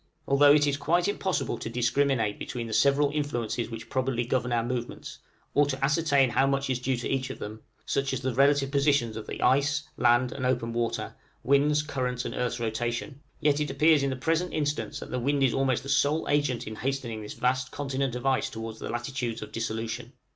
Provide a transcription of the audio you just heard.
Although it is quite impossible to discriminate between the several influences which probably govern our movements, or to ascertain how much is due to each of them such as the relative positions of ice, land, and open water, winds, currents, and earth's rotation yet it appears in the present instance that the wind is almost the sole agent in hastening this vast continent of ice towards the latitudes of its dissolution.